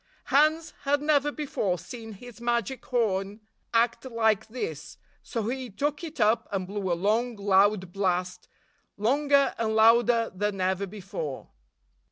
Hans had never before seen his magic horn act like this, so he 63 took it up and blew a long, loud blast, longer and louder than ever before.